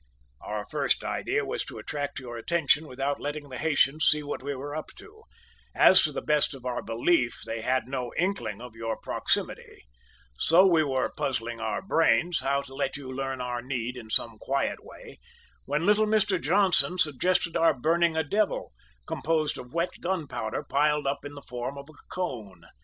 "Our first idea was to attract your attention without letting the Haytians see what we were up to, as, to the best of our belief, they had no inkling of your proximity; so we were puzzling our brains how to let you learn our need in some quiet way, when little Mr Johnson suggested our burning a devil, composed of wet gunpowder piled up in the form of a cone.